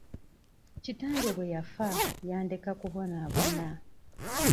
Kitange bwe yafa, yandeka kubonabona.